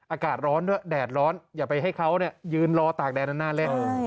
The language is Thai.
อากาศร้อนด้วยแดดร้อนอย่าไปให้เขายืนรอตากแดดนานเลย